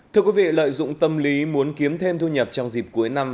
thưa quý vị lợi dụng tâm lý muốn kiếm thêm thu nhập trong dịp cuối năm